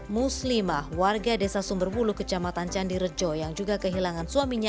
muslimah warga desa sumberwulu kecamatan candirejo yang juga kehilangan suaminya